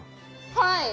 はい！